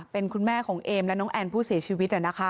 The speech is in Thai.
เป็นคุณแม่ของเอมและน้องแอนผู้เสียชีวิต